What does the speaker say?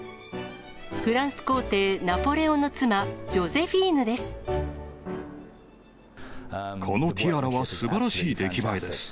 フランス皇帝、ナポレオンの妻、このティアラはすばらしい出来栄えです。